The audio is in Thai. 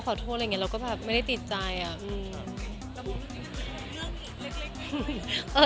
คุณตูน้องก็คิดว่าน้องมันจะดูด้วยหรือเปล่า